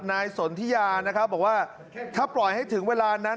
นายสนทิยานะครับบอกว่าถ้าปล่อยให้ถึงเวลานั้น